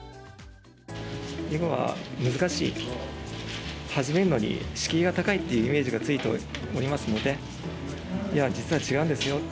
「囲碁は難しい」と「始めるのに敷居が高い」っていうイメージがついておりますので「いや実は違うんですよ。